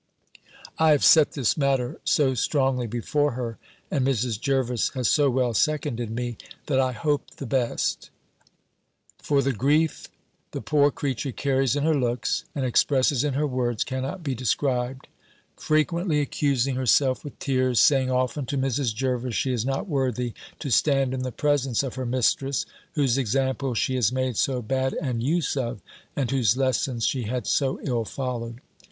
I have set this matter so strongly before her, and Mrs. Jervis has so well seconded me, that I hope the best; for the grief the poor creature carries in her looks, and expresses in her words, cannot be described; frequently accusing herself, with tears, saying often to Mrs. Jervis, she is not worthy to stand in the presence of her mistress, whose example she has made so bad an use of, and whose lessons she had so ill followed.